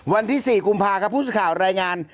วันที่๔กุมภาครับผู้สื่อข่าวรายงาน